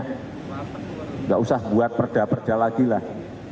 tidak usah buat perda perda lagi lah